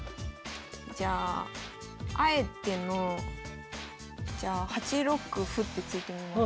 じゃああえてのじゃあ８六歩って突いてみます。